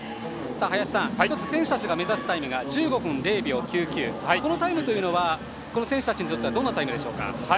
林さん選手たちが目指すタイムが１５分０秒９９、このタイムは選手たちにとってはどんなタイムでしょうか。